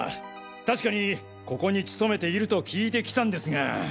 確かにここに勤めていると聞いてきたんですが。